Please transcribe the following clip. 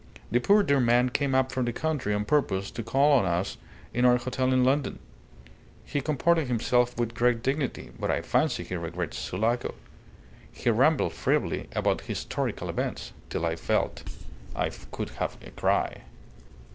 "The poor dear man came up from the country on purpose to call on us in our hotel in London. He comported himself with great dignity, but I fancy he regrets Sulaco. He rambled feebly about 'historical events' till I felt I could have a cry."